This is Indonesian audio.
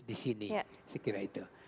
di sini saya kira itu